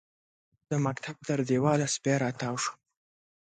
د مکتب تر دېواله سپی راتاو شو.